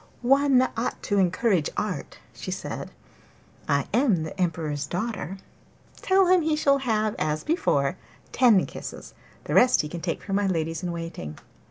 'One ought to encourage art,' she said. 'I am the Emperor's daughter! Tell him he shall have, as before, ten kisses; the rest he can take from my ladies in waiting.